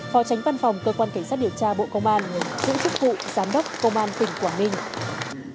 phó tránh văn phòng cơ quan cảnh sát điều tra bộ công an giữ chức vụ giám đốc công an tỉnh quảng ninh